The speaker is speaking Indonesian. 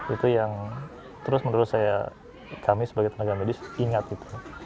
itu yang terus menurut saya kami sebagai tenaga medis ingat gitu